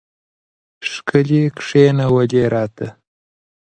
ښكلي كښېـنولي راته